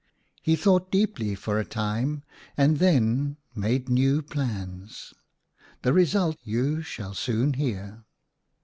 He thought deeply for a time and then made new plans. The result you shall soon hear.